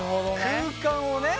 空間をね。